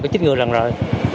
có chích ngư lần rồi